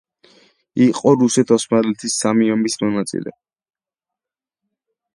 იყო რუსეთ-ოსმალეთის სამი ომის მონაწილე.